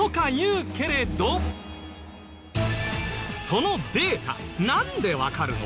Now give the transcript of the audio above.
そのデータなんでわかるの？